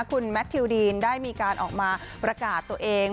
คุณแมททิวดีนได้มีการออกมาประกาศตัวเอง